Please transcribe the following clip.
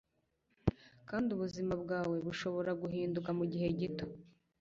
kandi ubuzima bwawe bushobora guhinduka mugihe gito